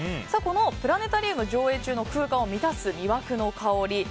このプラネタリウム上映中の空間を満たす魅惑の香り。